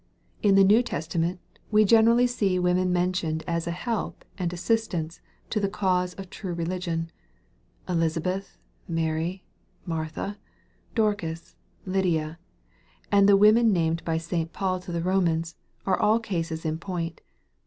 In the New Testa ment, we generally see women mentioned as a help and assistance to the cause of true religion. Elizabeth, Mary, Martha, Dorcas, Lydia, and the women named by St. Paul to the Romans, are all cases in point.